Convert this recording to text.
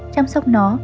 chăm sóc nó